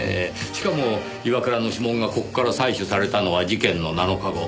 しかも岩倉の指紋がここから採取されたのは事件の７日後。